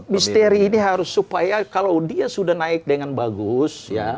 misteri ini harus supaya kalau dia sudah naik dengan bagus